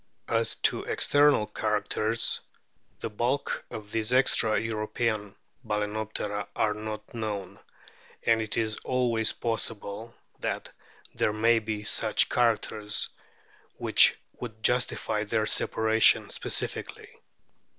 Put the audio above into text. As to external characters, the bulk of these extra European Balanoptera are not known, and it is always possible that there may be such characters which would justify their separation specifically.